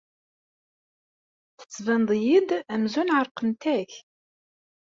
Tettbaneḍ-iyi-d amzun ɛerqent-ak.